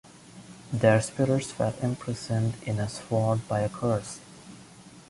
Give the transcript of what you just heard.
Their spirits were imprisoned in a sword by a curse.